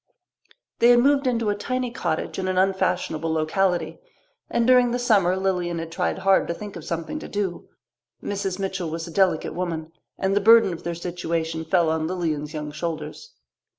They had moved into a tiny cottage in an unfashionable locality, and during the summer Lilian had tried hard to think of something to do. Mrs. Mitchell was a delicate woman, and the burden of their situation fell on Lilian's young shoulders.